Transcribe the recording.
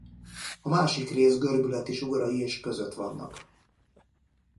A másik rész görbületi sugarai és között vannak.